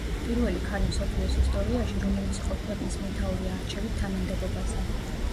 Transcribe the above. პირველი ქალი მსოფლიოს ისტორიაში, რომელიც იყო ქვეყნის მეთაური არჩევით თანამდებობაზე.